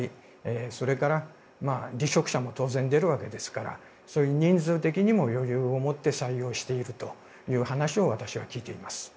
それから、離職者も当然出るわけですからそういう人数的にも余裕をもって採用していくという話を私は聞いています。